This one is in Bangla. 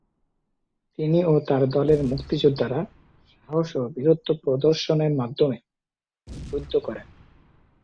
তিনি ও তার দলের মুক্তিযোদ্ধারা সাহস ও বীরত্ব প্রদর্শনের মাধ্যমে যুদ্ধ করেন।